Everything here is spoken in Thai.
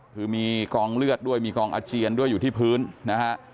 คือมีกองเลือดด้วยมีกองอาเจียนด้วยอยู่ที่พื้นนะฮะ